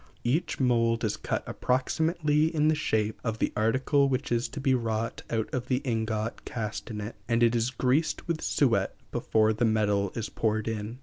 Each mould is cut approximately in the shape of the article which is to be wrought out of the ingot cast in it, and it is greased with suet before the metal is poured in.